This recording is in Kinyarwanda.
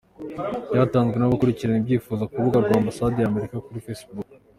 batanzwe n’abakurikirana ibinyuzwa ku rubuga rwa Ambasade ya Amerika kuri Facebook.